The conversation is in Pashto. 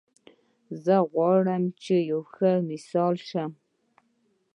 زه غواړم چې یو ښه مثال شم